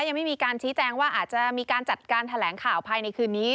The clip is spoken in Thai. ยังไม่มีการชี้แจงว่าอาจจะมีการจัดการแถลงข่าวภายในคืนนี้